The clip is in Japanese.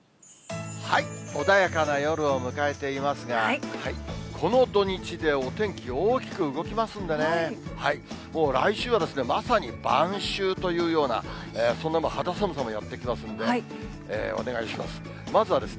穏やかな夜を迎えていますが、この土日で、お天気大きく動きますんでね、もう来週はまさに晩秋というような、そんな肌寒さもやって来ますんで、お願いします。